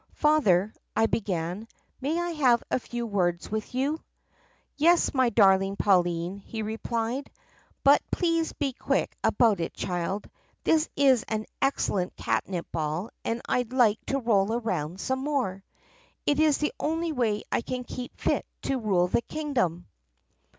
" 'Father,' I began, 'may I have a few words with you?' " 'Yes, my darling Pauline,' he replied, 'but please be quick about it, child. This is an excellent catnip ball and I 'd like to roll around some more. It is the only way I can keep fit to rule the kingdom.